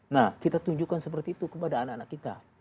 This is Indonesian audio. nah kita tunjukkan seperti itu kepada anak anak kita